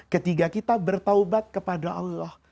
ketika kita bertaubat kepada allah